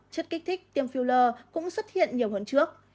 chất kích thích tiêm filler cũng xuất hiện nhiều hơn trước